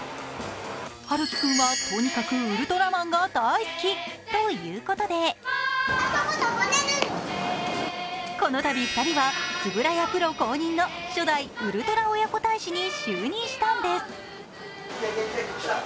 陽喜君は、とにかくウルトラマンが大好きということでこのたび２人は円谷プロ公認の初代ウルトラ親子大使に就任したんです。